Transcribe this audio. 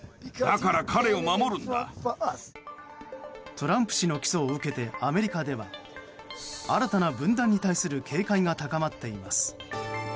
トランプ氏の起訴を受けてアメリカでは新たな分断に対する警戒が高まっています。